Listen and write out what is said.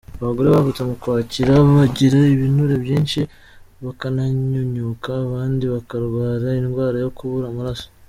Abagore bavutse mu Ukwakira bagira ibinure byinshi, bakanyunyuka, abandi bakarwara indwara yo kubura amaraso.